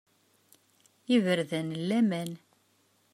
Iberdan n laman!